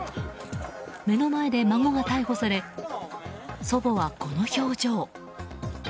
目の前で孫が逮捕され祖母は、この表情。